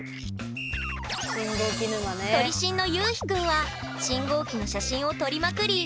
撮り信のゆうひくんは信号機の写真を撮りまくり